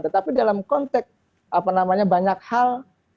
tetapi dalam konteks apa namanya banyak hal